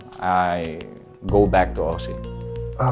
saya kembali ke aussie